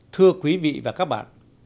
thưa quý vị và các bạn